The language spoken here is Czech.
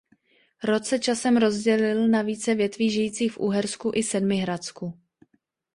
Rod se časem rozdělil na více větví žijících v Uhersku i Sedmihradsku.